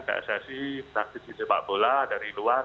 daksesi praktisi tembak bola dari luar